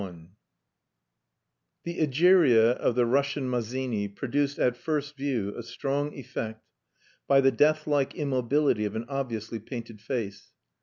II The Egeria of the "Russian Mazzini" produced, at first view, a strong effect by the death like immobility of an obviously painted face.